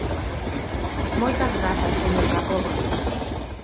Moitas grazas, señor da Cova.